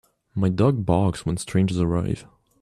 My dog barks when strangers arrive.